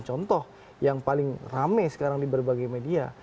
contoh yang paling rame sekarang di berbagai media